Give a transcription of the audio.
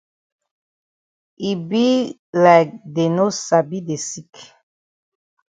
E be like dey no sabi de sick.